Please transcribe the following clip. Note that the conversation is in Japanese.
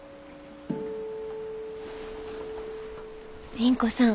倫子さん。